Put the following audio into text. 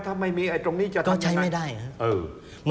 ถ้าไม่มีไอ้ตรงนี้จะทำยังไงก็ใช้ไม่ได้ครับ